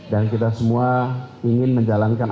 dan kita semua ingin menjalankan